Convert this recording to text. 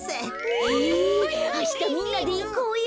えあしたみんなでいこうよ！